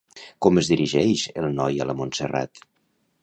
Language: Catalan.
Com es dirigeix el noi a la Montserrat?